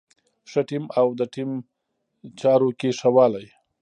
ښه ټيم او د ټيم چارو کې ښه والی.